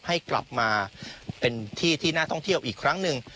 ให้กลับมาเป็นที่ที่น่าท่องเที่ยวอีกครั้งหนึ่ง